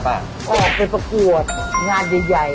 ออกไปประกวดงานใหญ่